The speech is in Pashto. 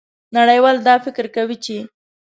نړیوال دا فکر کوي چې